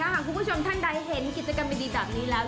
หากคุณผู้ชมท่านใดเห็นกิจกรรมดีแบบนี้แล้ว